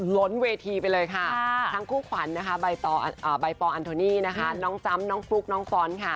ล้นเวทีไปเลยค่ะทั้งคู่ขวัญนะคะใบปอลอันโทนี่นะคะน้องจำน้องฟลุ๊กน้องฟ้อนค่ะ